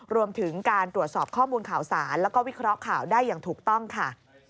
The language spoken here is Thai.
รวมถึงการตรวจสอบข้อมูลข่าวสารแล้วก็วิเคราะห์ข่าวได้อย่างถูกต้องค่ะ